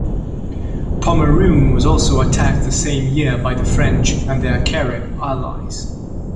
Pomeroon was also attacked the same year by the French and their Carib allies.